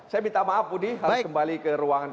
saya minta maaf budi harus kembali ke ruangan